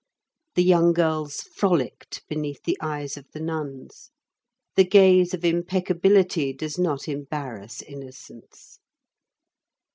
The young girls frolicked beneath the eyes of the nuns; the gaze of impeccability does not embarrass innocence.